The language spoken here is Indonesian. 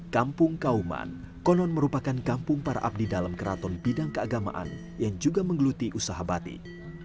kampung kauman konon merupakan kampung para abdi dalam keraton bidang keagamaan yang juga menggeluti usaha batik